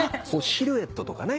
シルエットとかね。